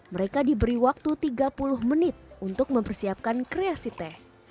mereka diberi waktu tiga puluh menit untuk mempersiapkan kreasi teh